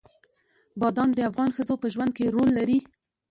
بادام د افغان ښځو په ژوند کې رول لري.